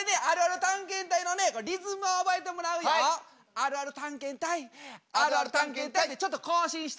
あるある探検隊あるある探検隊ってちょっと行進してもらいます。